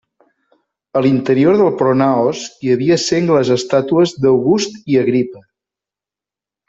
A l'interior del pronaos hi havia sengles estàtues d'August i Agripa.